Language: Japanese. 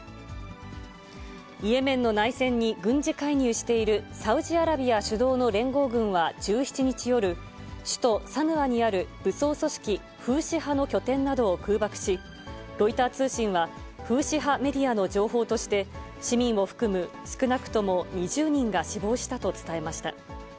イエメンの内戦に軍事介入しているサウジアラビア主導の連合軍は１７日夜、首都サヌアにある武装組織フーシ派の拠点などを空爆し、ロイター通信はフーシ派メディアの情報として、市民を含む少なくとも２０人が死亡したと伝えました。